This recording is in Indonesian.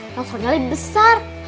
longsor jalan yang besar